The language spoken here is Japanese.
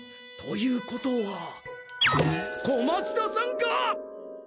ということは小松田さんか！？